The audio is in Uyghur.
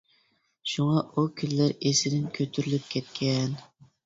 شۇڭا ئۇ كۈنلەر ئېسىدىن كۆتۈرۈلۈپ كەتكەن.